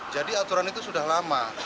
jadi aturan itu sudah lama